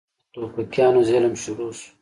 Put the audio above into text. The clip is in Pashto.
د ټوپکيانو ظلم شروع سو.